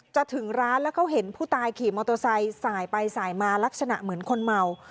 ถึงร้านแล้วเขาเห็นผู้ตายขี่มอเตอร์ไซค์สายไปสายมาลักษณะเหมือนคนเมา